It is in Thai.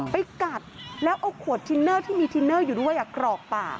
ไปกัดแล้วเอาขวดทินเนอร์ที่มีทินเนอร์อยู่ด้วยกรอกปาก